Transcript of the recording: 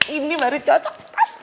ini baru cocok